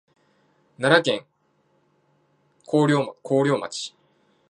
奈良県広陵町